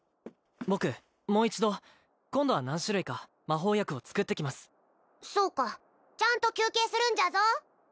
僕もう一度今度は何種類か魔法薬を作ってきますそうかちゃんと休憩するんじゃぞ